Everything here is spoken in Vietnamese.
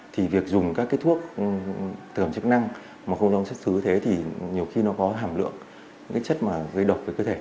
thì việc dùng các cái thuốc tưởng chức năng mà không rõ xuất xứ thế thì nhiều khi nó có hàm lượng những cái chất mà gây độc với cơ thể